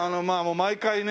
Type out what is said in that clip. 毎回ね